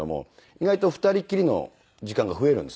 意外と二人っきりの時間が増えるんですね。